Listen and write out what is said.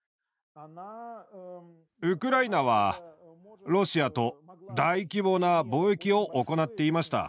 ウクライナはロシアと大規模な貿易を行っていました。